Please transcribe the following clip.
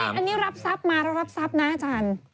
อันนี้รับทรัพย์มาแล้วรับทรัพย์นะอาจารย์